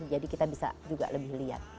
kita bisa juga lebih lihat